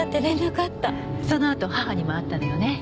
そのあと母にも会ったのよね。